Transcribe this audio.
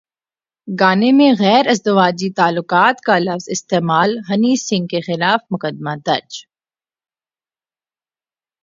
گانے میں غیر ازدواجی تعلقات کا لفظ استعمال ہنی سنگھ کے خلاف مقدمہ درج